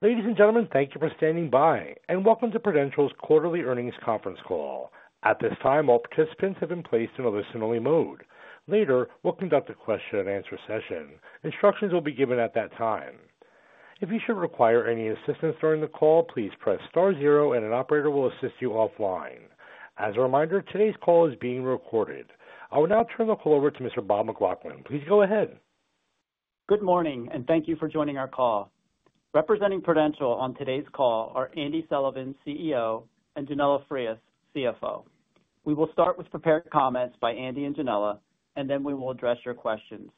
Ladies and gentlemen, thank you for standing by, and welcome to Prudential's quarterly earnings conference call. At this time, all participants have been placed in a listen-only mode. Later, we'll conduct a question-and-answer session. Instructions will be given at that time. If you should require any assistance during the call, please press star zero, and an operator will assist you offline. As a reminder, today's call is being recorded. I will now turn the call over to Mr. Bob McLaughlin. Please go ahead. Good morning, and thank you for joining our call. Representing Prudential on today's call are Andy Sullivan, CEO, and Yanela Frias, CFO. We will start with prepared comments by Andy and Yanela, and then we will address your questions.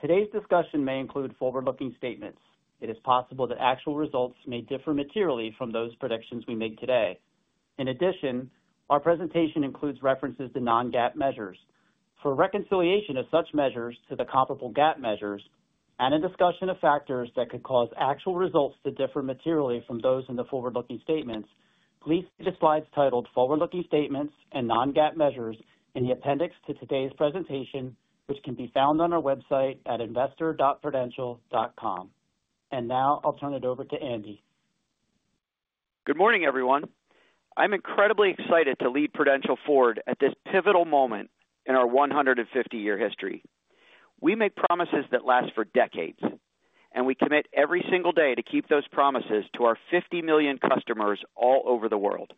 Today's discussion may include forward-looking statements. It is possible that actual results may differ materially from those predictions we make today. In addition, our presentation includes references to non-GAAP measures. For reconciliation of such measures to the comparable GAAP measures and a discussion of factors that could cause actual results to differ materially from those in the forward-looking statements, please see the slides titled "Forward-looking Statements and Non-GAAP Measures" in the appendix to today's presentation, which can be found on our website at investor.prudential.com. I will now turn it over to Andy. Good morning, everyone. I'm incredibly excited to lead Prudential forward at this pivotal moment in our 150-year history. We make promises that last for decades, and we commit every single day to keep those promises to our 50 million customers all over the world.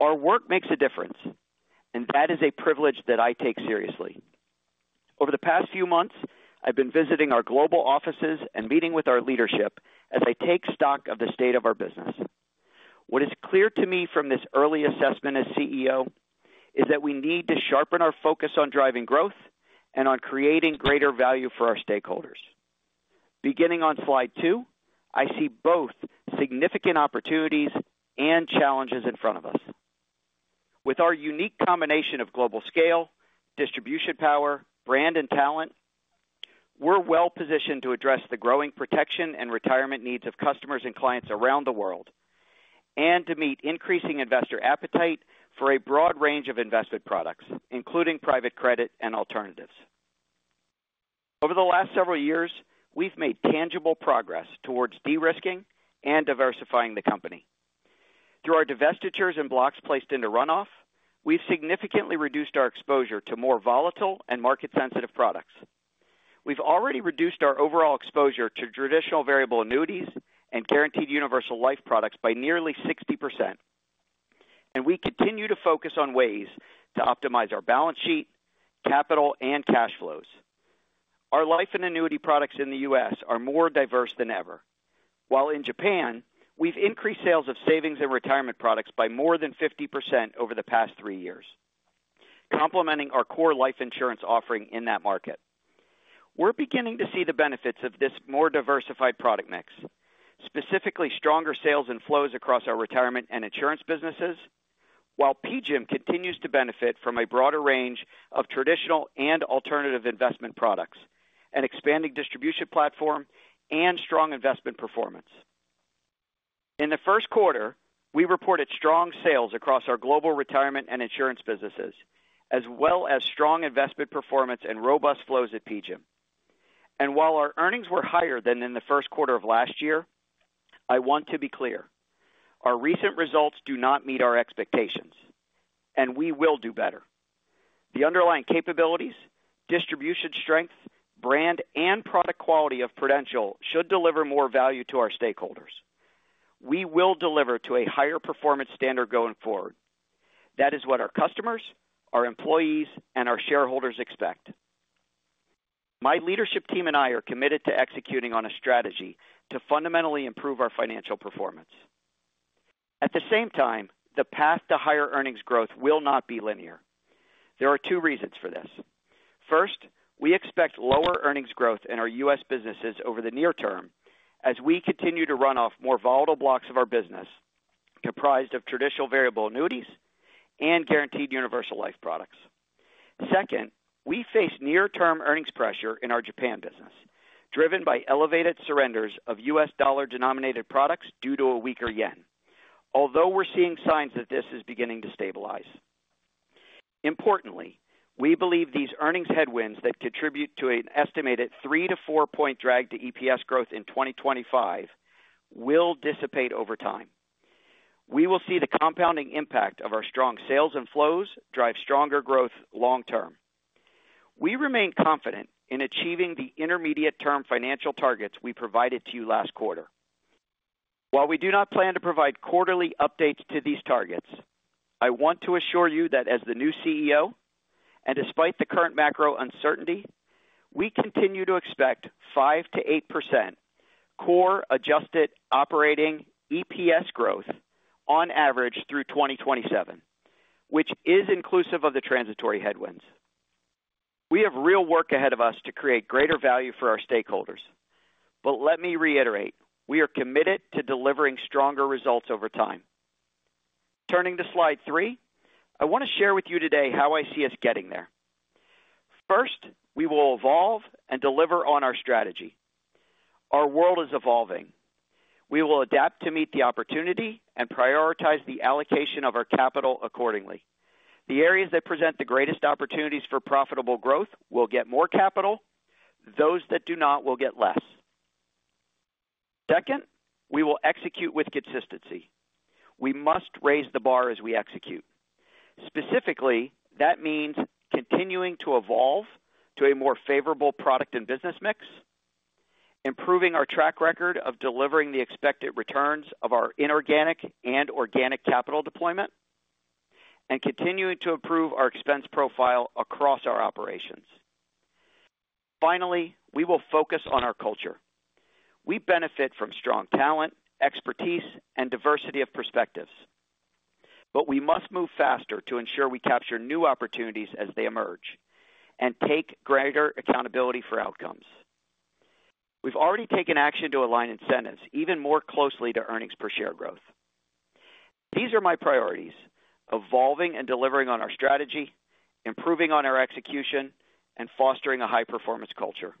Our work makes a difference, and that is a privilege that I take seriously. Over the past few months, I've been visiting our global offices and meeting with our leadership as I take stock of the state of our business. What is clear to me from this early assessment as CEO is that we need to sharpen our focus on driving growth and on creating greater value for our stakeholders. Beginning on slide two, I see both significant opportunities and challenges in front of us. With our unique combination of global scale, distribution power, brand, and talent, we're well-positioned to address the growing protection and retirement needs of customers and clients around the world and to meet increasing investor appetite for a broad range of investment products, including private credit and alternatives. Over the last several years, we've made tangible progress towards de-risking and diversifying the company. Through our divestitures and blocks placed into runoff, we've significantly reduced our exposure to more volatile and market-sensitive products. We've already reduced our overall exposure to traditional variable annuities and guaranteed universal life products by nearly 60%. We continue to focus on ways to optimize our balance sheet, capital, and cash flows. Our life and annuity products in the US are more diverse than ever. While in Japan, we've increased sales of savings and retirement products by more than 50% over the past three years, complementing our core life insurance offering in that market. We are beginning to see the benefits of this more diversified product mix, specifically stronger sales and flows across our retirement and insurance businesses, while PGIM continues to benefit from a broader range of traditional and alternative investment products, an expanding distribution platform, and strong investment performance. In the 1st quarter, we reported strong sales across our global retirement and insurance businesses, as well as strong investment performance and robust flows at PGIM. While our earnings were higher than in the 1st quarter of last year, I want to be clear: our recent results do not meet our expectations, and we will do better. The underlying capabilities, distribution strength, brand, and product quality of Prudential should deliver more value to our stakeholders. We will deliver to a higher performance standard going forward. That is what our customers, our employees, and our shareholders expect. My leadership team and I are committed to executing on a strategy to fundamentally improve our financial performance. At the same time, the path to higher earnings growth will not be linear. There are two reasons for this. First, we expect lower earnings growth in our US businesses over the near term as we continue to run off more volatile blocks of our business, comprised of traditional variable annuities and guaranteed universal life products. Second, we face near-term earnings pressure in our Japan business, driven by elevated surrenders of US dollar-denominated products due to a weaker yen, although we're seeing signs that this is beginning to stabilize. Importantly, we believe these earnings headwinds that contribute to an estimated three-point to four-point drag to EPS growth in 2025 will dissipate over time. We will see the compounding impact of our strong sales and flows drive stronger growth long-term. We remain confident in achieving the intermediate-term financial targets we provided to you last quarter. While we do not plan to provide quarterly updates to these targets, I want to assure you that as the new CEO and despite the current macro uncertainty, we continue to expect 5%-8% core adjusted operating EPS growth on average through 2027, which is inclusive of the transitory headwinds. We have real work ahead of us to create greater value for our stakeholders. Let me reiterate: we are committed to delivering stronger results over time. Turning to slide three, I want to share with you today how I see us getting there. First, we will evolve and deliver on our strategy. Our world is evolving. We will adapt to meet the opportunity and prioritize the allocation of our capital accordingly. The areas that present the greatest opportunities for profitable growth will get more capital; those that do not will get less. Second, we will execute with consistency. We must raise the bar as we execute. Specifically, that means continuing to evolve to a more favorable product and business mix, improving our track record of delivering the expected returns of our inorganic and organic capital deployment, and continuing to improve our expense profile across our operations. Finally, we will focus on our culture. We benefit from strong talent, expertise, and diversity of perspectives. We must move faster to ensure we capture new opportunities as they emerge and take greater accountability for outcomes. We've already taken action to align incentives even more closely to earnings per share growth. These are my priorities: evolving and delivering on our strategy, improving on our execution, and fostering a high-performance culture.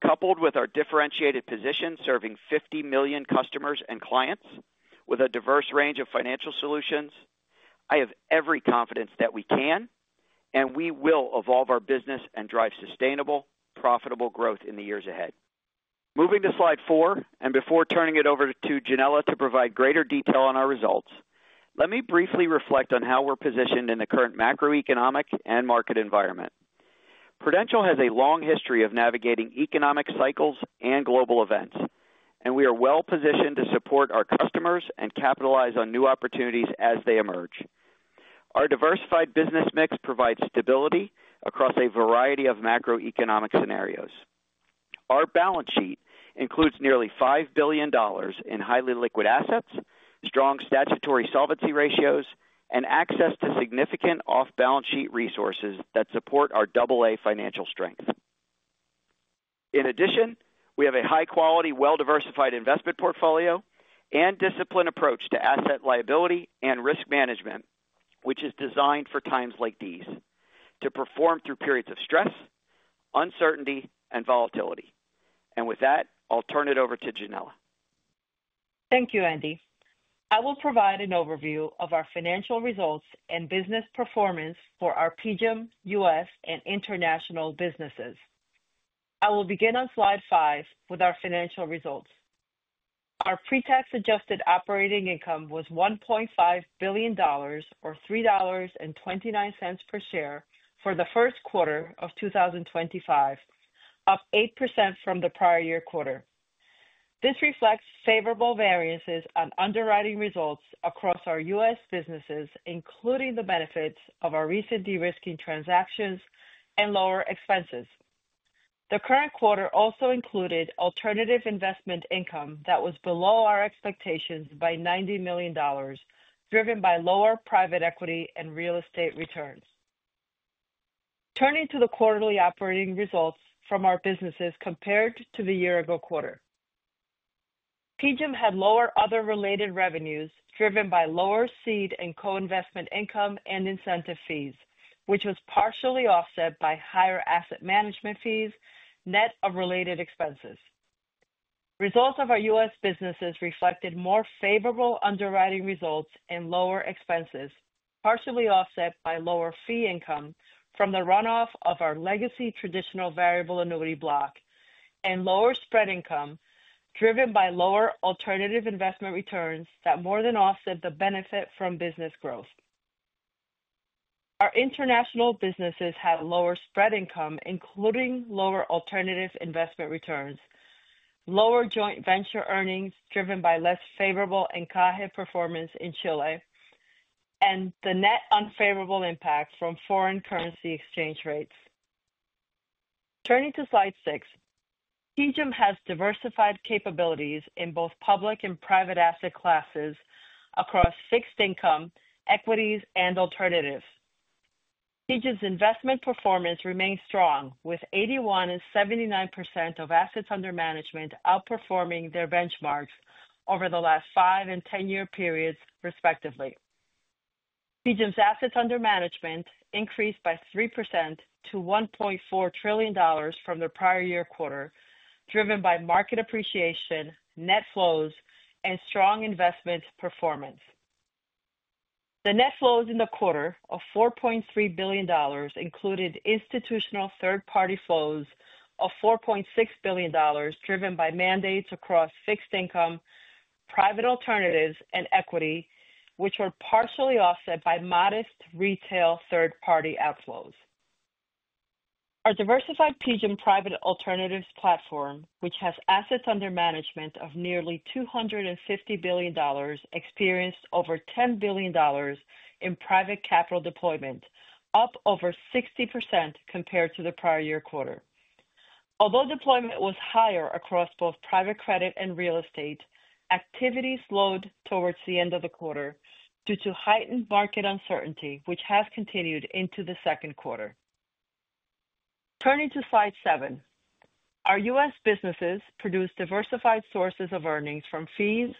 Coupled with our differentiated position serving 50 million customers and clients with a diverse range of financial solutions, I have every confidence that we can and we will evolve our business and drive sustainable, profitable growth in the years ahead. Moving to slide four, and before turning it over to Yanela to provide greater detail on our results, let me briefly reflect on how we're positioned in the current macroeconomic and market environment. Prudential Financial has a long history of navigating economic cycles and global events, and we are well-positioned to support our customers and capitalize on new opportunities as they emerge. Our diversified business mix provides stability across a variety of macroeconomic scenarios. Our balance sheet includes nearly $5 billion in highly liquid assets, strong statutory solvency ratios, and access to significant off-balance sheet resources that support our AA financial strength. In addition, we have a high-quality, well-diversified investment portfolio and disciplined approach to asset liability and risk management, which is designed for times like these, to perform through periods of stress, uncertainty, and volatility. With that, I'll turn it over to Yanela. Thank you, Andy. I will provide an overview of our financial results and business performance for our PGIM US and international businesses. I will begin on slide five with our financial results. Our pre-tax adjusted operating income was $1.5 billion, or $3.29 per share, for the 1st quarter of 2025, up 8% from the prior year quarter. This reflects favorable variances on underwriting results across our US businesses, including the benefits of our recent de-risking transactions and lower expenses. The current quarter also included alternative investment income that was below our expectations by $90 million, driven by lower private equity and real estate returns. Turning to the quarterly operating results from our businesses compared to the year-ago quarter, PGIM had lower other-related revenues driven by lower seed and co-investment income and incentive fees, which was partially offset by higher asset management fees, net of related expenses. Results of our US businesses reflected more favorable underwriting results and lower expenses, partially offset by lower fee income from the runoff of our legacy traditional variable annuity block and lower spread income driven by lower alternative investment returns that more than offset the benefit from business growth. Our international businesses had lower spread income, including lower alternative investment returns, lower joint venture earnings driven by less favorable cohort performance in Chile, and the net unfavorable impact from foreign currency exchange rates. Turning to slide six, PGIM has diversified capabilities in both public and private asset classes across fixed income, equities, and alternatives. PGIM's investment performance remains strong, with 81% and 79% of assets under management outperforming their benchmarks over the last five and ten-year periods, respectively. PGIM's assets under management increased by 3% to $1.4 trillion from the prior year quarter, driven by market appreciation, net flows, and strong investment performance. The net flows in the quarter of $4.3 billion included institutional third-party flows of $4.6 billion, driven by mandates across fixed income, private alternatives, and equity, which were partially offset by modest retail third-party outflows. Our diversified PGIM private alternatives platform, which has assets under management of nearly $250 billion, experienced over $10 billion in private capital deployment, up over 60% compared to the prior year quarter. Although deployment was higher across both private credit and real estate, activity slowed towards the end of the quarter due to heightened market uncertainty, which has continued into the 2nd quarter. Turning to slide seven, our U.S. businesses produce diversified sources of earnings from fees,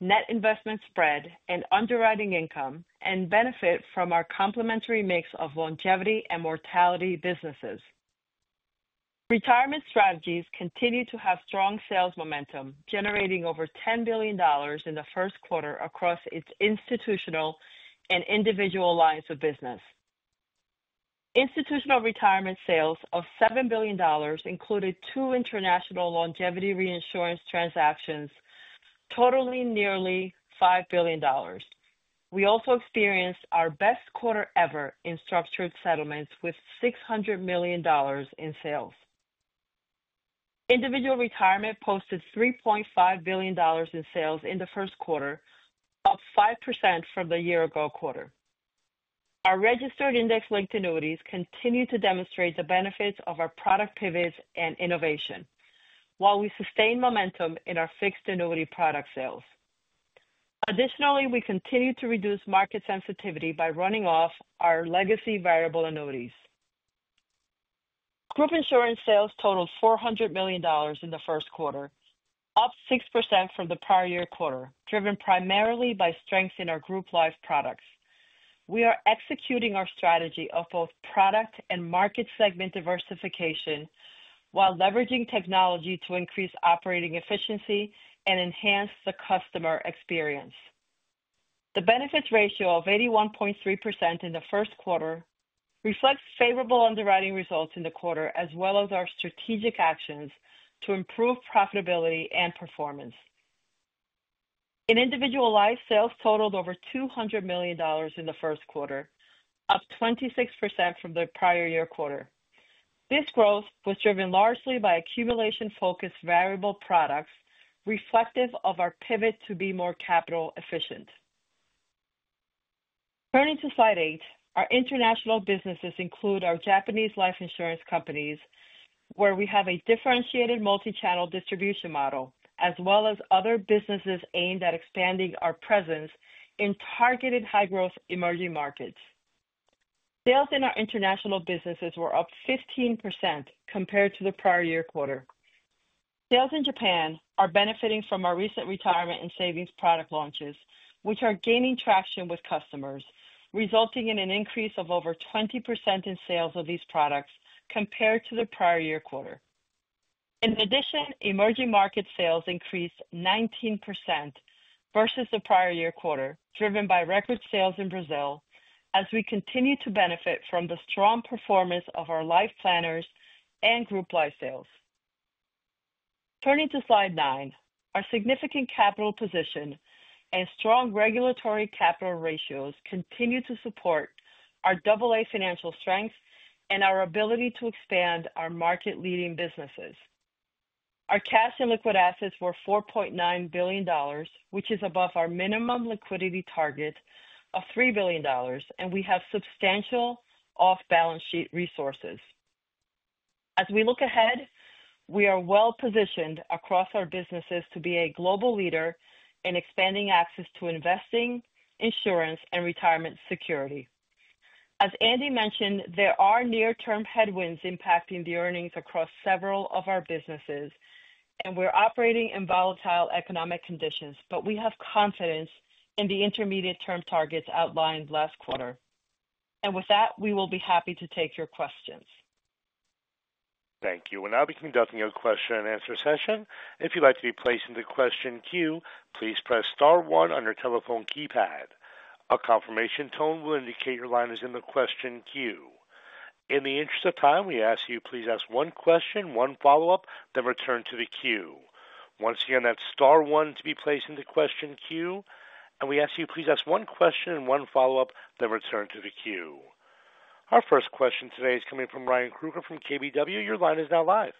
net investment spread, and underwriting income, and benefit from our complementary mix of longevity and mortality businesses. Retirement strategies continue to have strong sales momentum, generating over $10 billion in the 1st quarter across its institutional and individual lines of business. Institutional retirement sales of $7 billion included two international longevity reinsurance transactions, totaling nearly $5 billion. We also experienced our best quarter ever in structured settlements with $600 million in sales. Individual retirement posted $3.5 billion in sales in the 1st quarter, up 5% from the year-ago quarter. Our registered index-linked annuities continue to demonstrate the benefits of our product pivots and innovation, while we sustain momentum in our fixed annuity product sales. Additionally, we continue to reduce market sensitivity by running off our legacy variable annuities. Group insurance sales totaled $400 million in the 1st quarter, up 6% from the prior year quarter, driven primarily by strength in our group life products. We are executing our strategy of both product and market segment diversification while leveraging technology to increase operating efficiency and enhance the customer experience. The benefits ratio of 81.3% in the 1st quarter reflects favorable underwriting results in the quarter, as well as our strategic actions to improve profitability and performance. In individual life, sales totaled over $200 million in the 1st quarter, up 26% from the prior year quarter. This growth was driven largely by accumulation-focused variable products, reflective of our pivot to be more capital efficient. Turning to slide eight, our international businesses include our Japanese life insurance companies, where we have a differentiated multi-channel distribution model, as well as other businesses aimed at expanding our presence in targeted high-growth emerging markets. Sales in our international businesses were up 15% compared to the prior year quarter. Sales in Japan are benefiting from our recent retirement and savings product launches, which are gaining traction with customers, resulting in an increase of over 20% in sales of these products compared to the prior year quarter. In addition, emerging market sales increased 19% versus the prior year quarter, driven by record sales in Brazil, as we continue to benefit from the strong performance of our Life Planners and group life sales. Turning to slide nine, our significant capital position and strong regulatory capital ratios continue to support our AA financial strength and our ability to expand our market-leading businesses. Our cash and liquid assets were $4.9 billion, which is above our minimum liquidity target of $3 billion, and we have substantial off-balance sheet resources. As we look ahead, we are well-positioned across our businesses to be a global leader in expanding access to investing, insurance, and retirement security. As Andy mentioned, there are near-term headwinds impacting the earnings across several of our businesses, and we are operating in volatile economic conditions, but we have confidence in the intermediate-term targets outlined last quarter. With that, we will be happy to take your questions. Thank you. We'll now begin the question and answer session. If you'd like to be placed in the question queue, please press star one on your telephone keypad. A confirmation tone will indicate your line is in the question queue. In the interest of time, we ask you to please ask one question, one follow-up, then return to the queue. Once again, that's star one to be placed in the question queue. We ask you to please ask one question and one follow-up, then return to the queue. Our first question today is coming from Ryan Krueger from KBW. Your line is now live.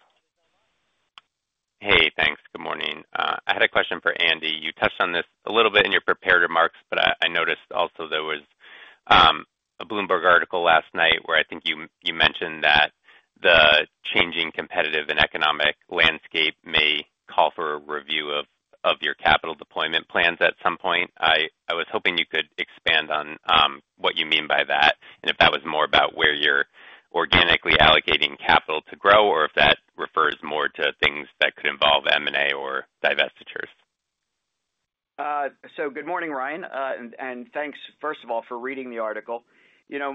Hey, thanks. Good morning. I had a question for Andy. You touched on this a little bit in your prepared remarks, but I noticed also there was a Bloomberg article last night where I think you mentioned that the changing competitive and economic landscape may call for a review of your capital deployment plans at some point. I was hoping you could expand on what you mean by that and if that was more about where you're organically allocating capital to grow or if that refers more to things that could involve M&A or divestitures. Good morning, Ryan, and thanks, first of all, for reading the article.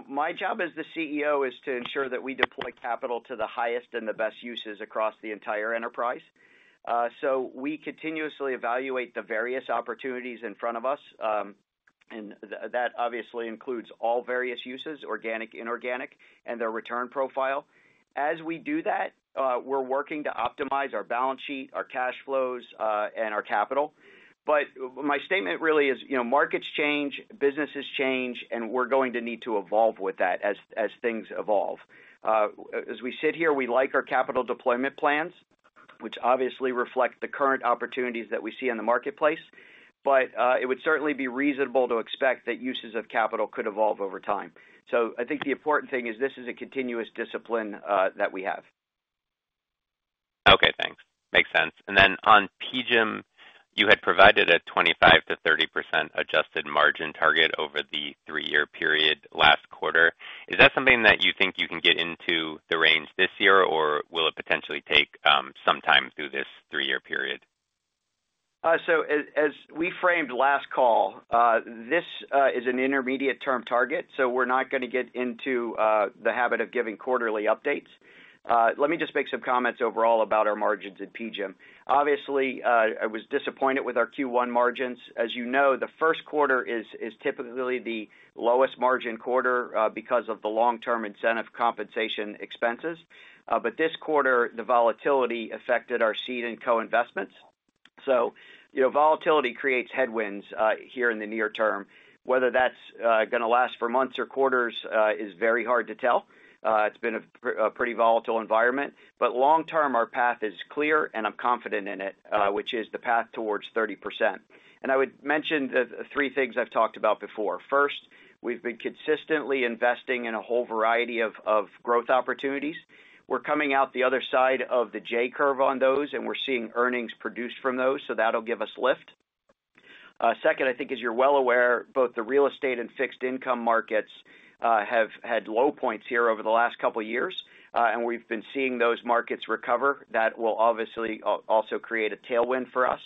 My job as the CEO is to ensure that we deploy capital to the highest and the best uses across the entire enterprise. We continuously evaluate the various opportunities in front of us, and that obviously includes all various uses, organic, inorganic, and their return profile. As we do that, we're working to optimize our balance sheet, our cash flows, and our capital. My statement really is markets change, businesses change, and we're going to need to evolve with that as things evolve. As we sit here, we like our capital deployment plans, which obviously reflect the current opportunities that we see in the marketplace, but it would certainly be reasonable to expect that uses of capital could evolve over time. I think the important thing is this is a continuous discipline that we have. Okay, thanks. Makes sense. Then on PGIM, you had provided a 25%-30% adjusted margin target over the three-year period last quarter. Is that something that you think you can get into the range this year, or will it potentially take some time through this three-year period? As we framed last call, this is an intermediate-term target, so we're not going to get into the habit of giving quarterly updates. Let me just make some comments overall about our margins at PGIM. Obviously, I was disappointed with our Q1 margins. As you know, the 1st quarter is typically the lowest margin quarter because of the long-term incentive compensation expenses. This quarter, the volatility affected our seed and co-investments. Volatility creates headwinds here in the near term. Whether that's going to last for months or quarters is very hard to tell. It's been a pretty volatile environment. Long-term, our path is clear, and I'm confident in it, which is the path towards 30%. I would mention the three things I've talked about before. First, we've been consistently investing in a whole variety of growth opportunities. We're coming out the other side of the J curve on those, and we're seeing earnings produced from those, so that'll give us lift. Second, I think, as you're well aware, both the real estate and fixed income markets have had low points here over the last couple of years, and we've been seeing those markets recover. That will obviously also create a tailwind for us.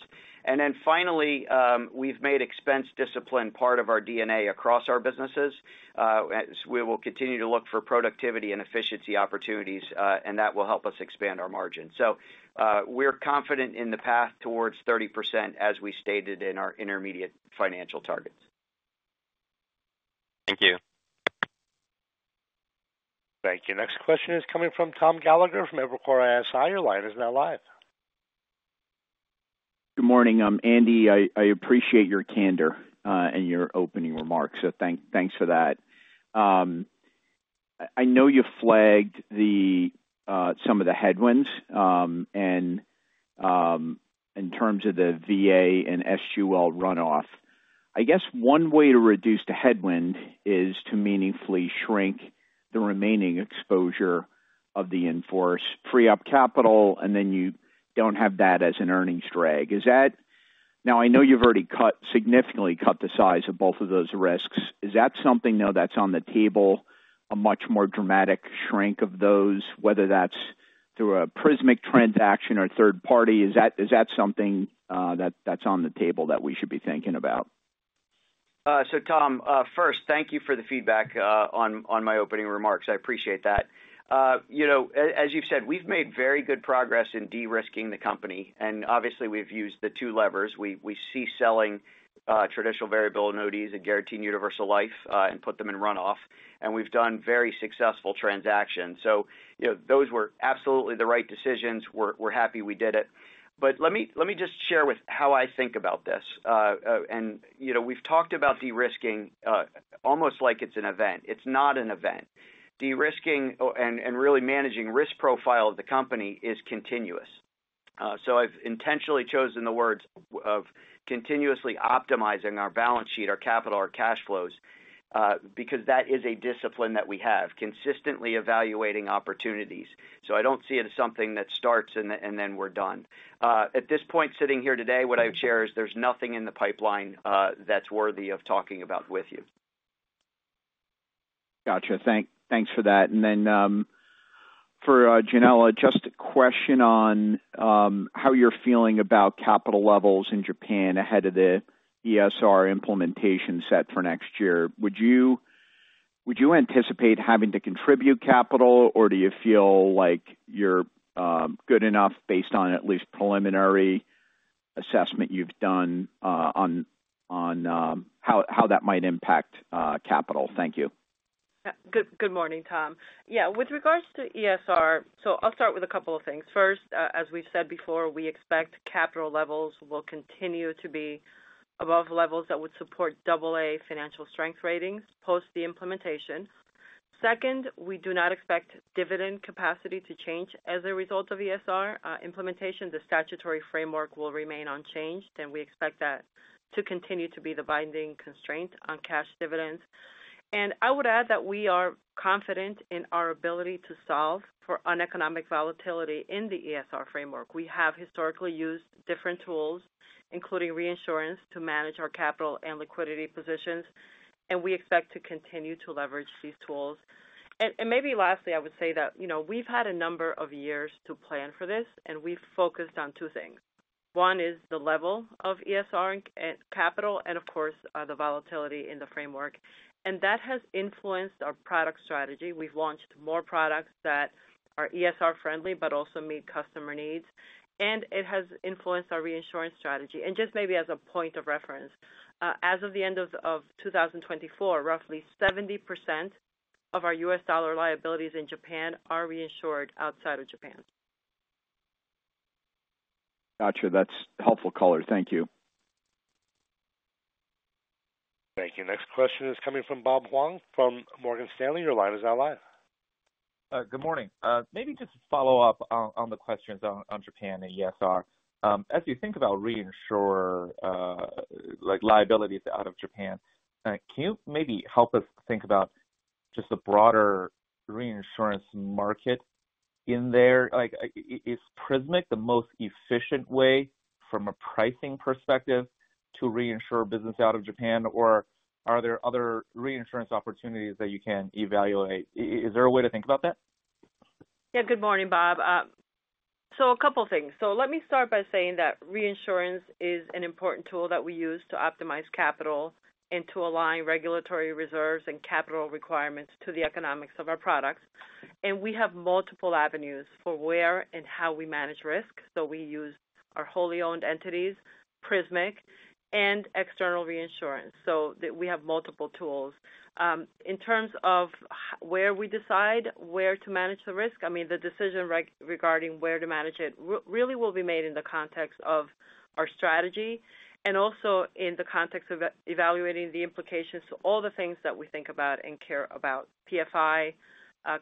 Finally, we've made expense discipline part of our DNA across our businesses. We will continue to look for productivity and efficiency opportunities, and that will help us expand our margins. We're confident in the path towards 30%, as we stated in our intermediate financial targets. Thank you. Thank you. Next question is coming from Tom Gallagher from Evercore ISI. Your line is now live. Good morning. I'm Andy. I appreciate your candor and your opening remarks, so thanks for that. I know you flagged some of the headwinds, and in terms of the VA and SGUL runoff, I guess one way to reduce the headwind is to meaningfully shrink the remaining exposure of the in-force free up capital, and then you don't have that as an earnings drag. Now, I know you've already significantly cut the size of both of those risks. Is that something now that's on the table, a much more dramatic shrink of those, whether that's through a Prismic transaction or third party? Is that something that's on the table that we should be thinking about? Tom, first, thank you for the feedback on my opening remarks. I appreciate that. As you've said, we've made very good progress in de-risking the company. Obviously, we've used the two levers. We ceased selling traditional variable annuities and guaranteed universal life and put them in runoff. We've done very successful transactions. Those were absolutely the right decisions. We're happy we did it. Let me just share with you how I think about this. We've talked about de-risking almost like it's an event. It's not an event. De-risking and really managing the risk profile of the company is continuous. I've intentionally chosen the words of continuously optimizing our balance sheet, our capital, our cash flows, because that is a discipline that we have, consistently evaluating opportunities. I don't see it as something that starts and then we're done. At this point, sitting here today, what I would share is there's nothing in the pipeline that's worthy of talking about with you. Gotcha. Thanks for that. For Yanela, just a question on how you're feeling about capital levels in Japan ahead of the ESR implementation set for next year. Would you anticipate having to contribute capital, or do you feel like you're good enough based on at least preliminary assessment you've done on how that might impact capital? Thank you. Good morning, Tom. Yeah, with regards to ESR, I will start with a couple of things. First, as we have said before, we expect capital levels will continue to be above levels that would support AA financial strength ratings post the implementation. Second, we do not expect dividend capacity to change as a result of ESR implementation. The statutory framework will remain unchanged, and we expect that to continue to be the binding constraint on cash dividends. I would add that we are confident in our ability to solve for uneconomic volatility in the ESR framework. We have historically used different tools, including reinsurance, to manage our capital and liquidity positions, and we expect to continue to leverage these tools. Maybe lastly, I would say that we have had a number of years to plan for this, and we have focused on two things. One is the level of ESR and capital, and of course, the volatility in the framework. That has influenced our product strategy. We've launched more products that are ESR-friendly but also meet customer needs, and it has influenced our reinsurance strategy. Just maybe as a point of reference, as of the end of 2024, roughly 70% of our US dollar liabilities in Japan are reinsured outside of Japan. Gotcha. That's helpful color. Thank you. Thank you. Next question is coming from Bob Huang from Morgan Stanley. Your line is now live. Good morning. Maybe just to follow up on the questions on Japan and ESR. As you think about reinsurer liabilities out of Japan, can you maybe help us think about just a broader reinsurance market in there? Is Prismic the most efficient way from a pricing perspective to reinsure business out of Japan, or are there other reinsurance opportunities that you can evaluate? Is there a way to think about that? Yeah, good morning, Bob. A couple of things. Let me start by saying that reinsurance is an important tool that we use to optimize capital and to align regulatory reserves and capital requirements to the economics of our products. We have multiple avenues for where and how we manage risk. We use our wholly owned entities, Prismic, and external reinsurance. We have multiple tools. In terms of where we decide where to manage the risk, I mean, the decision regarding where to manage it really will be made in the context of our strategy and also in the context of evaluating the implications to all the things that we think about and care about: PFI,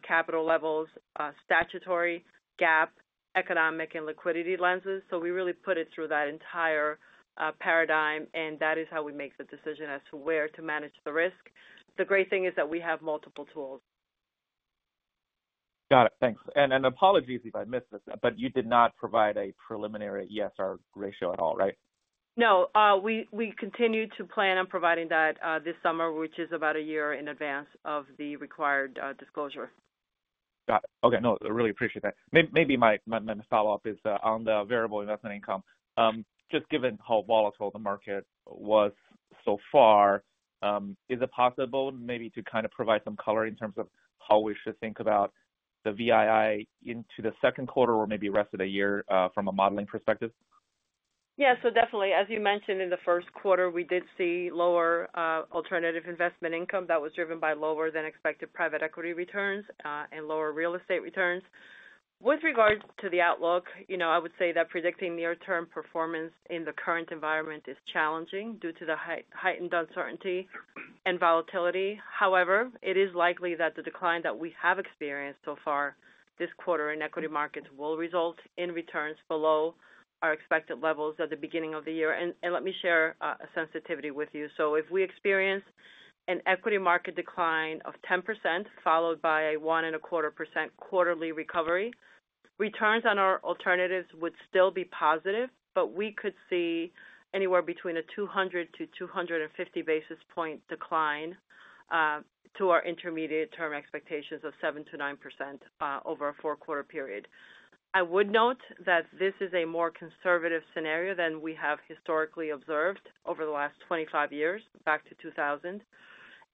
capital levels, statutory, gap, economic, and liquidity lenses. We really put it through that entire paradigm, and that is how we make the decision as to where to manage the risk. The great thing is that we have multiple tools. Got it. Thanks. Apologies if I missed this, but you did not provide a preliminary ESR ratio at all, right? No. We continue to plan on providing that this summer, which is about a year in advance of the required disclosure. Got it. Okay. No, I really appreciate that. Maybe my follow-up is on the variable investment income. Just given how volatile the market was so far, is it possible maybe to kind of provide some color in terms of how we should think about the VII into the 2nd quarter or maybe rest of the year from a modeling perspective? Yeah. Definitely, as you mentioned, in the 1st quarter, we did see lower alternative investment income that was driven by lower-than-expected private equity returns and lower real estate returns. With regards to the outlook, I would say that predicting near-term performance in the current environment is challenging due to the heightened uncertainty and volatility. However, it is likely that the decline that we have experienced so far this quarter in equity markets will result in returns below our expected levels at the beginning of the year. Let me share a sensitivity with you. If we experience an equity market decline of 10% followed by a 1.25% quarterly recovery, returns on our alternatives would still be positive, but we could see anywhere between a 200 to 250 basis point decline to our intermediate-term expectations of 7%-9% over a four-quarter period. I would note that this is a more conservative scenario than we have historically observed over the last 25 years, back to 2000.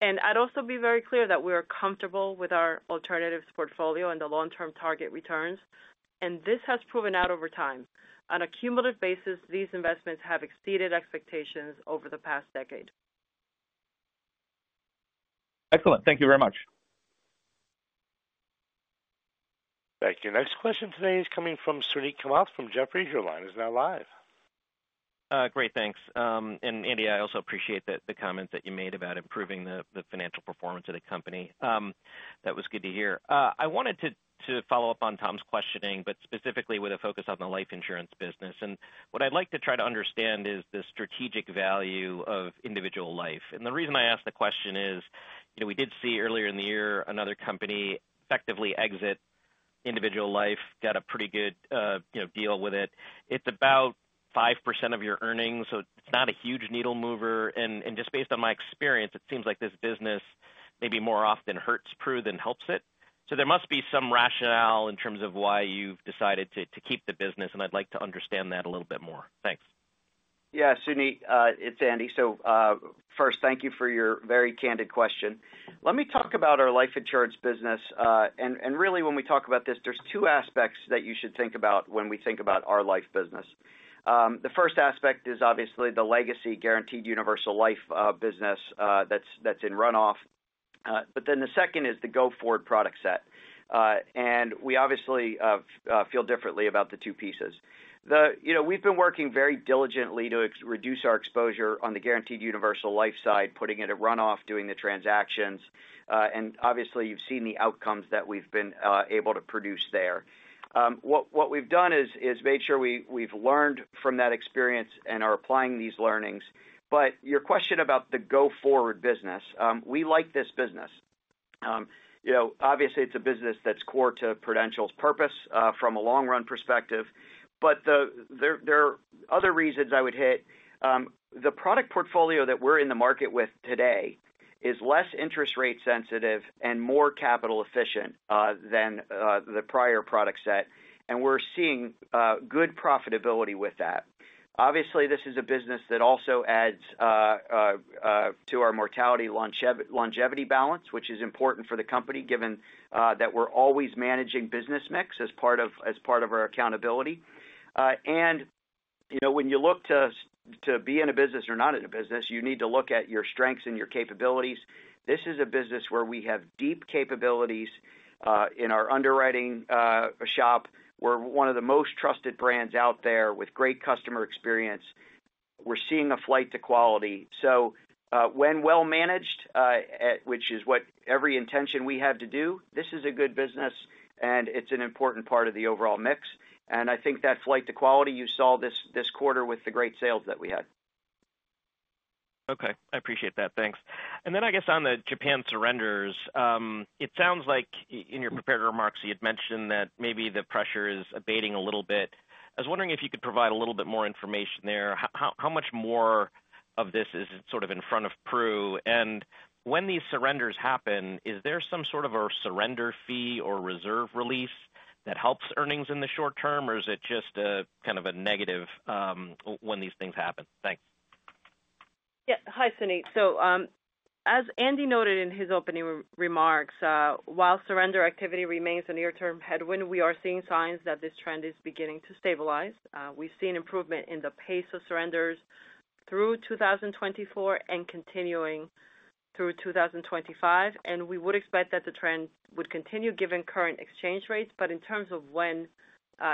I would also be very clear that we are comfortable with our alternatives portfolio and the long-term target returns. This has proven out over time. On a cumulative basis, these investments have exceeded expectations over the past decade. Excellent. Thank you very much. Thank you. Next question today is coming from Suneet Kamath from Jefferies. Your line is now live. Great. Thanks. Andy, I also appreciate the comments that you made about improving the financial performance of the company. That was good to hear. I wanted to follow up on Tom's questioning, specifically with a focus on the life insurance business. What I'd like to try to understand is the strategic value of individual life. The reason I asked the question is we did see earlier in the year another company effectively exit individual life, got a pretty good deal with it. It is about 5% of your earnings, so it is not a huge needle mover. Just based on my experience, it seems like this business maybe more often hurts Pru than helps it. There must be some rationale in terms of why you have decided to keep the business, and I'd like to understand that a little bit more. Thanks. Yeah, Suneet, it's Andy. First, thank you for your very candid question. Let me talk about our life insurance business. Really, when we talk about this, there are two aspects that you should think about when we think about our life business. The first aspect is obviously the legacy guaranteed universal life business that's in runoff. The second is the go-forward product set. We obviously feel differently about the two pieces. We've been working very diligently to reduce our exposure on the guaranteed universal life side, putting it at runoff, doing the transactions. Obviously, you've seen the outcomes that we've been able to produce there. What we've done is made sure we've learned from that experience and are applying these learnings. Your question about the go-forward business, we like this business. Obviously, it's a business that's core to Prudential's purpose from a long-run perspective. There are other reasons I would hit. The product portfolio that we are in the market with today is less interest rate sensitive and more capital efficient than the prior product set. We are seeing good profitability with that. Obviously, this is a business that also adds to our mortality longevity balance, which is important for the company given that we are always managing business mix as part of our accountability. When you look to be in a business or not in a business, you need to look at your strengths and your capabilities. This is a business where we have deep capabilities in our underwriting shop. We are one of the most trusted brands out there with great customer experience. We are seeing a flight to quality. When well managed, which is what every intention we have to do, this is a good business, and it's an important part of the overall mix. I think that flight to quality you saw this quarter with the great sales that we had. Okay. I appreciate that. Thanks. I guess on the Japan surrenders, it sounds like in your prepared remarks, you had mentioned that maybe the pressure is abating a little bit. I was wondering if you could provide a little bit more information there. How much more of this is sort of in front of Pru? When these surrenders happen, is there some sort of a surrender fee or reserve release that helps earnings in the short term, or is it just kind of a negative when these things happen? Thanks. Yeah. Hi, Suneet. As Andy noted in his opening remarks, while surrender activity remains a near-term headwind, we are seeing signs that this trend is beginning to stabilize. We've seen improvement in the pace of surrenders through 2024 and continuing through 2025. We would expect that the trend would continue given current exchange rates. In terms of when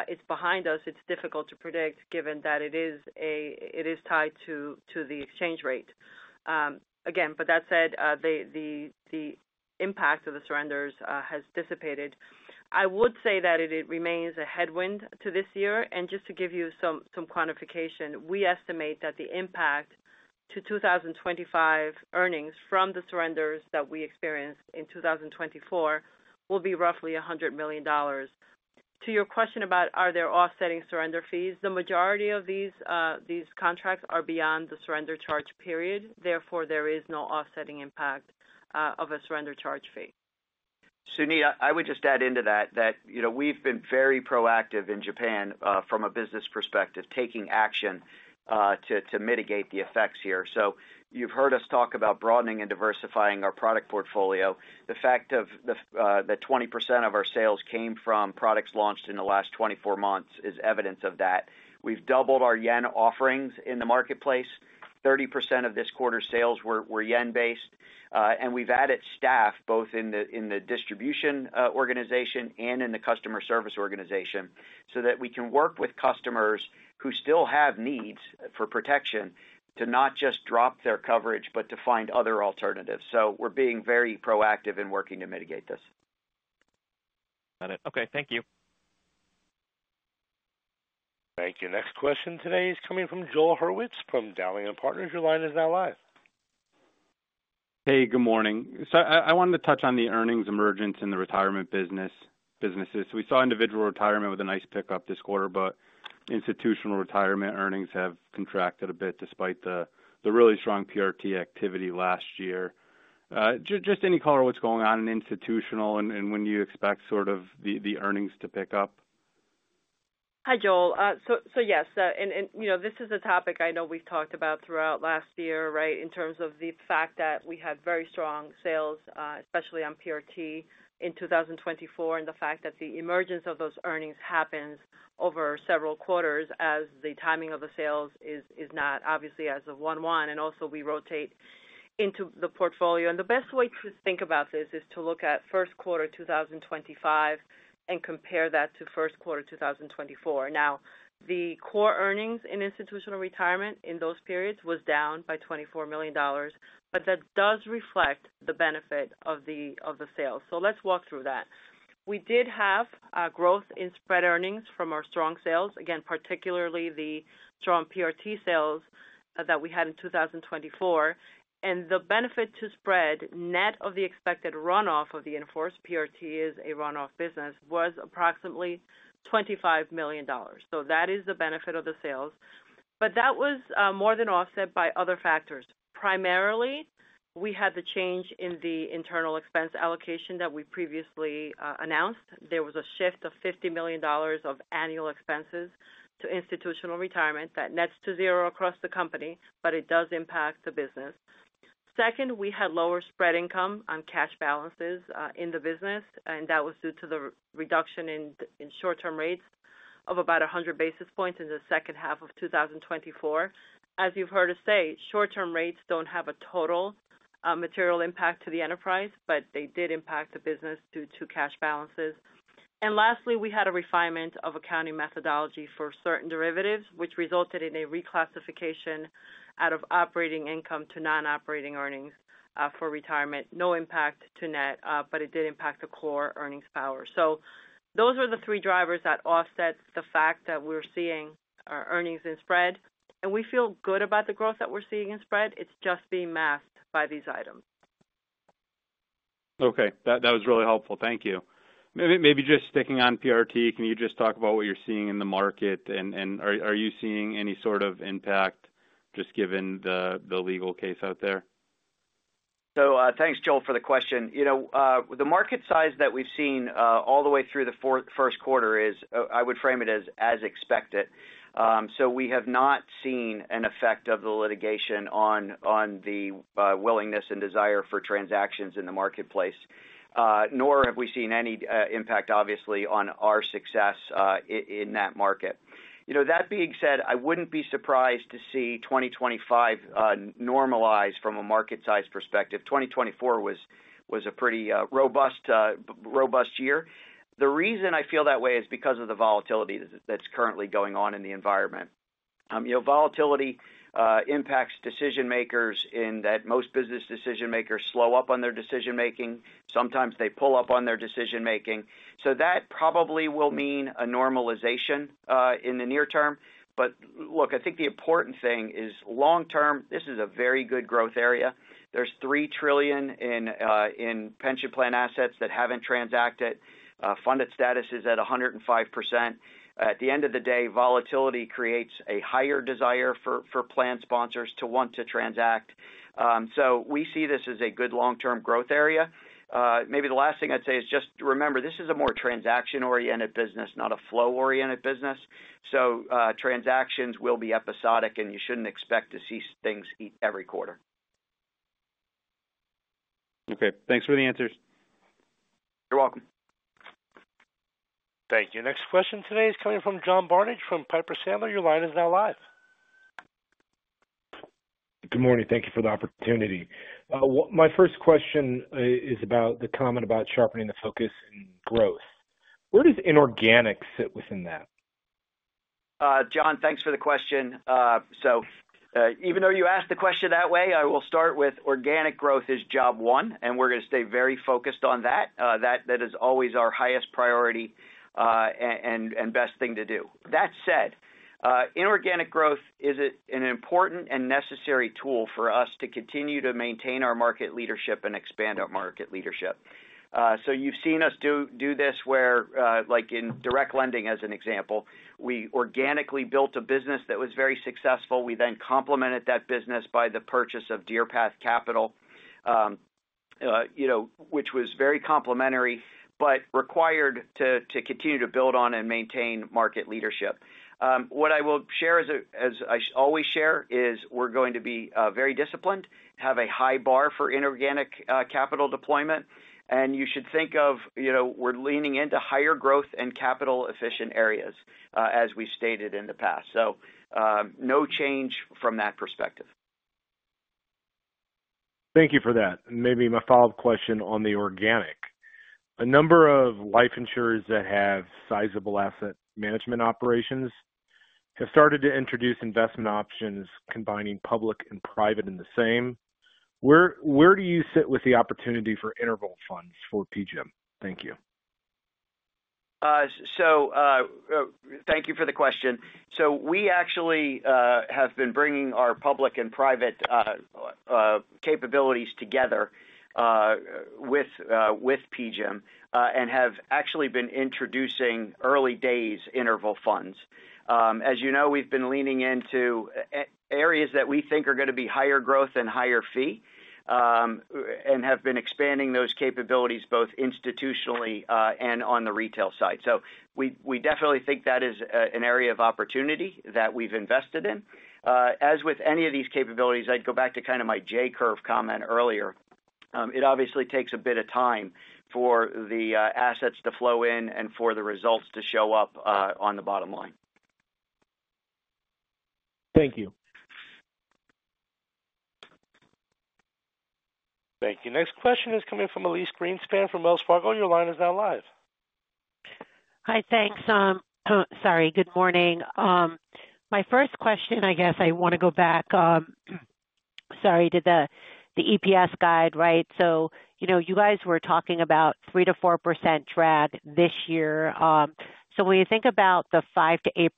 it's behind us, it's difficult to predict given that it is tied to the exchange rate. Again, that said, the impact of the surrenders has dissipated. I would say that it remains a headwind to this year. Just to give you some quantification, we estimate that the impact to 2025 earnings from the surrenders that we experienced in 2024 will be roughly $100 million. To your question about are there offsetting surrender fees, the majority of these contracts are beyond the surrender charge period. Therefore, there is no offsetting impact of a surrender charge fee. Suneet, I would just add into that that we've been very proactive in Japan from a business perspective, taking action to mitigate the effects here. You have heard us talk about broadening and diversifying our product portfolio. The fact that 20% of our sales came from products launched in the last 24 months is evidence of that. We have doubled our yen offerings in the marketplace. 30% of this quarter's sales were yen-based. We have added staff both in the distribution organization and in the customer service organization so that we can work with customers who still have needs for protection to not just drop their coverage, but to find other alternatives. We are being very proactive in working to mitigate this. Got it. Okay. Thank you. Thank you. Next question today is coming from Joel Hurwitz from Dowling & Partners. Your line is now live. Hey, good morning. I wanted to touch on the earnings emergence in the retirement businesses. We saw individual retirement with a nice pickup this quarter, but institutional retirement earnings have contracted a bit despite the really strong PRT activity last year. Just any color of what's going on in institutional and when you expect sort of the earnings to pick up? Hi, Joel. Yes, and this is a topic I know we've talked about throughout last year, right, in terms of the fact that we had very strong sales, especially on PRT in 2024, and the fact that the emergence of those earnings happens over several quarters as the timing of the sales is not obviously as of 1/1. Also, we rotate into the portfolio. The best way to think about this is to look at 1st quarter 2025 and compare that to 1st quarter 2024. Now, the core earnings in institutional retirement in those periods was down by $24 million, but that does reflect the benefit of the sales. Let's walk through that. We did have growth in spread earnings from our strong sales, again, particularly the strong PRT sales that we had in 2024. The benefit to spread net of the expected runoff of the enforced PRT as a runoff business was approximately $25 million. That is the benefit of the sales. That was more than offset by other factors. Primarily, we had the change in the internal expense allocation that we previously announced. There was a shift of $50 million of annual expenses to institutional retirement that nets to zero across the company, but it does impact the business. Second, we had lower spread income on cash balances in the business, and that was due to the reduction in short-term rates of about 100 basis points in the second half of 2024. As you have heard us say, short-term rates do not have a total material impact to the enterprise, but they did impact the business due to cash balances. Lastly, we had a refinement of accounting methodology for certain derivatives, which resulted in a reclassification out of operating income to non-operating earnings for retirement. No impact to net, but it did impact the core earnings power. Those were the three drivers that offset the fact that we are seeing our earnings in spread. We feel good about the growth that we are seeing in spread. It is just being masked by these items. Okay. That was really helpful. Thank you. Maybe just sticking on PRT, can you just talk about what you're seeing in the market, and are you seeing any sort of impact just given the legal case out there? Thanks, Joel, for the question. The market size that we've seen all the way through the 1st quarter is, I would frame it as expected. We have not seen an effect of the litigation on the willingness and desire for transactions in the marketplace, nor have we seen any impact, obviously, on our success in that market. That being said, I wouldn't be surprised to see 2025 normalize from a market size perspective. 2024 was a pretty robust year. The reason I feel that way is because of the volatility that's currently going on in the environment. Volatility impacts decision-makers in that most business decision-makers slow up on their decision-making. Sometimes they pull up on their decision-making. That probably will mean a normalization in the near term. I think the important thing is long-term, this is a very good growth area. There's $3 trillion in pension plan assets that haven't transacted. Funded status is at 105%. At the end of the day, volatility creates a higher desire for plan sponsors to want to transact. We see this as a good long-term growth area. Maybe the last thing I'd say is just remember, this is a more transaction-oriented business, not a flow-oriented business. Transactions will be episodic, and you shouldn't expect to see things every quarter. Okay. Thanks for the answers. You're welcome. Thank you. Next question today is coming from John Barnidge from Piper Sandler. Your line is now live. Good morning. Thank you for the opportunity. My first question is about the comment about sharpening the focus in growth. Where does inorganic sit within that? John, thanks for the question. Even though you asked the question that way, I will start with organic growth is job one, and we're going to stay very focused on that. That is always our highest priority and best thing to do. That said, inorganic growth is an important and necessary tool for us to continue to maintain our market leadership and expand our market leadership. You have seen us do this where, like in direct lending as an example, we organically built a business that was very successful. We then complemented that business by the purchase of Deerpath Capital, which was very complementary but required to continue to build on and maintain market leadership. What I will share, as I always share, is we're going to be very disciplined, have a high bar for inorganic capital deployment. You should think of we're leaning into higher growth and capital-efficient areas, as we've stated in the past. No change from that perspective. Thank you for that. Maybe my follow-up question on the organic. A number of life insurers that have sizable asset management operations have started to introduce investment options combining public and private in the same. Where do you sit with the opportunity for interval funds for PGIM? Thank you. Thank you for the question. We actually have been bringing our public and private capabilities together with PGIM and have actually been introducing early days interval funds. As you know, we've been leaning into areas that we think are going to be higher growth and higher fee and have been expanding those capabilities both institutionally and on the retail side. We definitely think that is an area of opportunity that we've invested in. As with any of these capabilities, I'd go back to kind of my J curve comment earlier. It obviously takes a bit of time for the assets to flow in and for the results to show up on the bottom line. Thank you. Thank you. Next question is coming from Elyse Greenspan from Wells Fargo. Your line is now live. Hi, thanks. Sorry. Good morning. My first question, I guess I want to go back. Sorry, did the EPS guide, right? You guys were talking about 3-4% drag this year. When you think about the 5-8%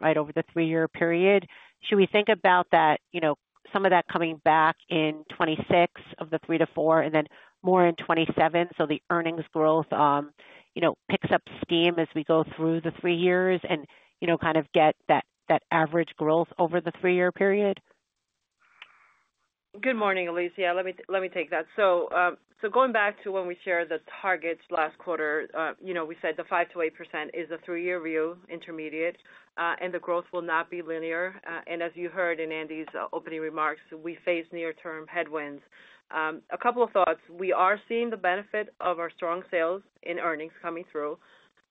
right over the three-year period, should we think about some of that coming back in 2026 of the 3-4 and then more in 2027? The earnings growth picks up steam as we go through the three years and kind of get that average growth over the three-year period? Good morning, Elise. Yeah, let me take that. Going back to when we shared the targets last quarter, we said the 5-8% is a three-year view, intermediate, and the growth will not be linear. As you heard in Andy's opening remarks, we face near-term headwinds. A couple of thoughts. We are seeing the benefit of our strong sales in earnings coming through.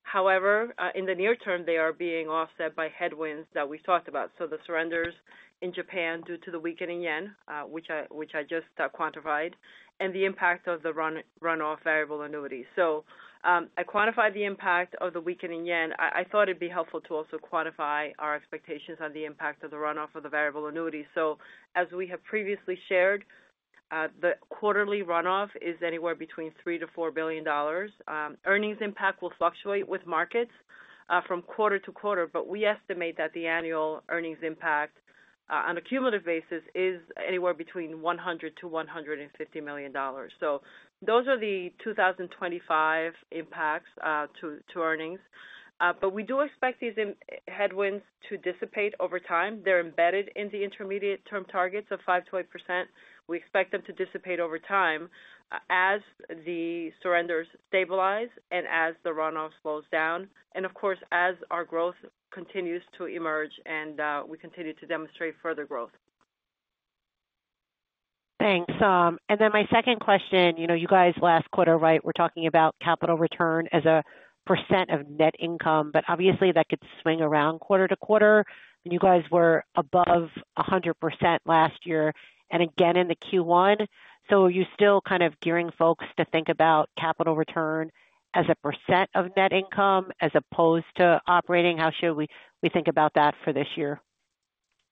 However, in the near term, they are being offset by headwinds that we've talked about. The surrenders in Japan due to the weakening yen, which I just quantified, and the impact of the runoff variable annuity. I quantified the impact of the weakening yen. I thought it'd be helpful to also quantify our expectations on the impact of the runoff of the variable annuity. As we have previously shared, the quarterly runoff is anywhere between $3 billion-$4 billion. Earnings impact will fluctuate with markets from quarter to quarter, but we estimate that the annual earnings impact on a cumulative basis is anywhere between $100 million-$150 million. Those are the 2025 impacts to earnings. We do expect these headwinds to dissipate over time. They're embedded in the intermediate-term targets of 5%-8%. We expect them to dissipate over time as the surrenders stabilize and as the runoff slows down, and of course, as our growth continues to emerge and we continue to demonstrate further growth. Thanks. Then my second question, you guys last quarter, right, were talking about capital return as a percent of net income, but obviously that could swing around quarter to quarter. You guys were above 100% last year and again in the Q1. Are you still kind of gearing folks to think about capital return as a percent of net income as opposed to operating? How should we think about that for this year?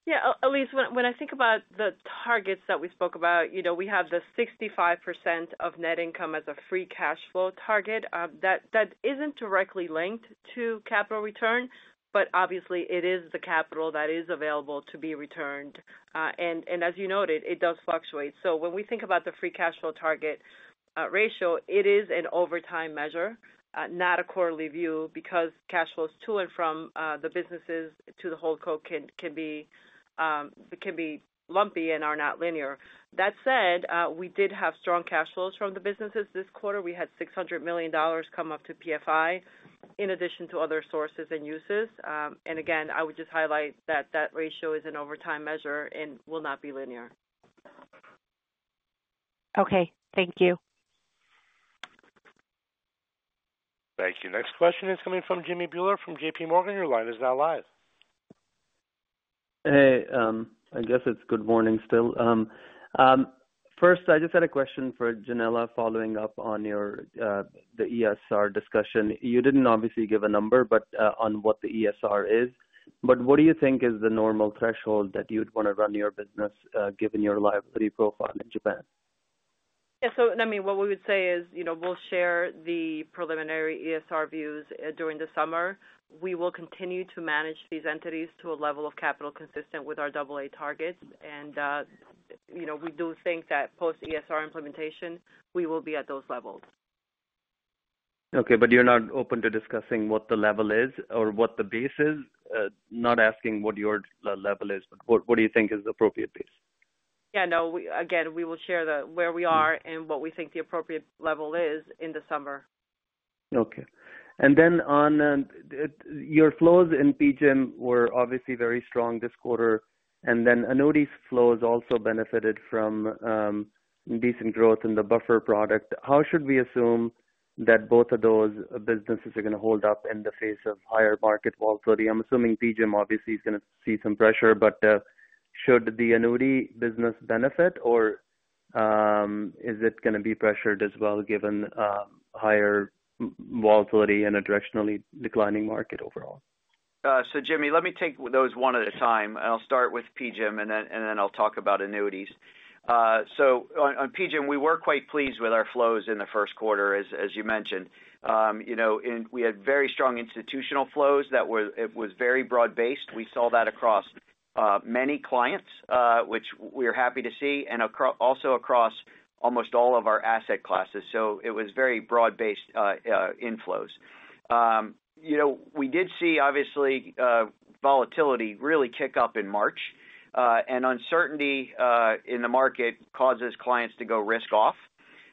Yeah. Elise, when I think about the targets that we spoke about, we have the 65% of net income as a free cash flow target. That isn't directly linked to capital return, but obviously it is the capital that is available to be returned. As you noted, it does fluctuate. When we think about the free cash flow target ratio, it is an overtime measure, not a quarterly view because cash flows to and from the businesses to the Holdco can be lumpy and are not linear. That said, we did have strong cash flows from the businesses this quarter. We had $600 million come up to PFI in addition to other sources and uses. Again, I would just highlight that that ratio is an overtime measure and will not be linear. Okay. Thank you. Thank you. Next question is coming from Jimmy Bhullar from J.P. Morgan. Your line is now live. Hey. I guess it's good morning still. First, I just had a question for Yanela following up on the ESR discussion. You didn't obviously give a number on what the ESR is, but what do you think is the normal threshold that you'd want to run your business given your liability profile in Japan? Yeah. I mean, what we would say is we'll share the preliminary ESR views during the summer. We will continue to manage these entities to a level of capital consistent with our AA targets. We do think that post-ESR implementation, we will be at those levels. Okay. You are not open to discussing what the level is or what the base is? Not asking what your level is, but what do you think is the appropriate base? Yeah. No, again, we will share where we are and what we think the appropriate level is in the summer. Okay. Then on your flows in PGIM were obviously very strong this quarter, and then annuities flows also benefited from decent growth in the buffer product. How should we assume that both of those businesses are going to hold up in the face of higher market volatility? I'm assuming PGIM obviously is going to see some pressure, but should the annuity business benefit, or is it going to be pressured as well given higher volatility and a directionally declining market overall? Jimmy, let me take those one at a time. I'll start with PGIM, and then I'll talk about annuities. On PGIM, we were quite pleased with our flows in the 1st quarter, as you mentioned. We had very strong institutional flows that were very broad-based. We saw that across many clients, which we're happy to see, and also across almost all of our asset classes. It was very broad-based inflows. We did see, obviously, volatility really kick up in March, and uncertainty in the market causes clients to go risk-off.